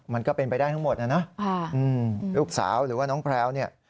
มันก็เป็นไปได้ทั้งหมดนะนะลูกสาวหรือว่าน้องแพลวเนี่ย